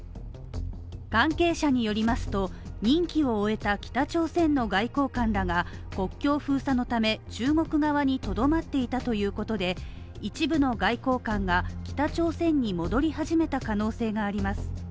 関係者によりますと、任期を終えた北朝鮮の外交官らが国境封鎖のため、中国側にとどまっていたということで、一部の外交官が北朝鮮に戻り始めた可能性があります。